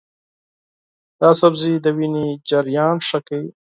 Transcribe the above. دا سبزی د وینې جریان ښه کوي.